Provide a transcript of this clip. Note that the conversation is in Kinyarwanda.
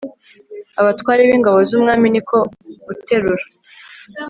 abatware b'ingabo z'umwami ni ko guterura